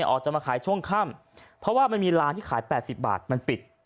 ออกจะมาขายช่วงค่ำเพราะว่ามันมีร้านที่ขาย๘๐บาทมันปิด